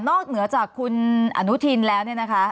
เหนือจากคุณอนุทินแล้วเนี่ยนะคะ